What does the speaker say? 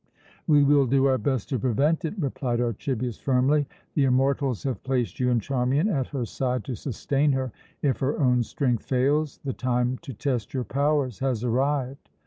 "We will do our best to prevent it," replied Archibius firmly. "The immortals have placed you and Charmian at her side to sustain her, if her own strength fails. The time to test your powers has arrived."